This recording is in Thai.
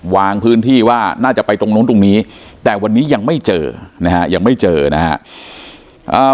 วางพื้นที่ว่าน่าจะไปตรงนู้นตรงนี้แต่วันนี้ยังไม่เจอนะฮะยังไม่เจอนะฮะ